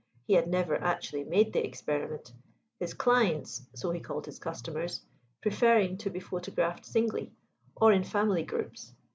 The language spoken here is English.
He had never actually made the experiment; his clients (so he called his customers) preferring to be photographed singly or in family groups.